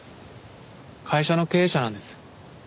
会社の経営者なんです。